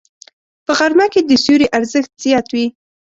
په غرمه کې د سیوري ارزښت زیات وي